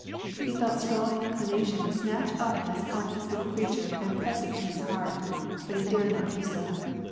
He felt a strong inclination to snatch up this helpless little creature and press it to his heart ; but he dared not do so.